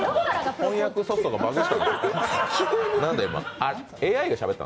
翻訳ソフトがバグった？